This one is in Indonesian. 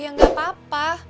ya gak apa apa